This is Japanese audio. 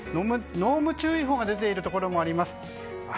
濃霧注意報が出ているところもあります。